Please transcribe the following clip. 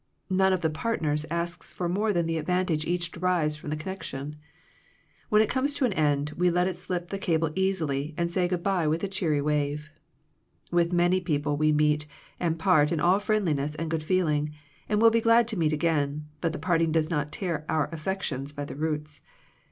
None of the partners asks for more than the advantage each derives from the con nection. When it comes to an end, we let slip the cable easily, and say good bye with a cheery wave. With many people we meet and part in all friendliness and good feeling, and will be glad to meet again, but the parting does not tear our affections by the roots.